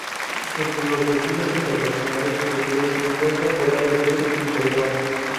Entre los destinos internacionales futuros se cuentan Corea del Sur y Taiwán.